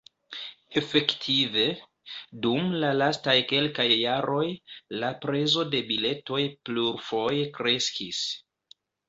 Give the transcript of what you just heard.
Efektive, dum la lastaj kelkaj jaroj, la prezo de biletoj plurfoje kreskis.